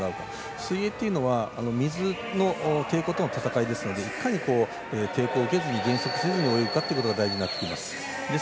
水泳というのは水の抵抗との戦いですのでいかに、抵抗を受けずに迅速に泳ぐのかが大事になってきます。